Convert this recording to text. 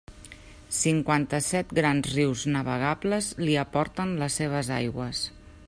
Cinquanta-set grans rius navegables li aporten les seves aigües.